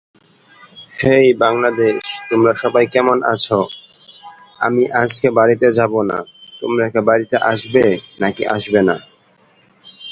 However the series continued shortly after in both cases.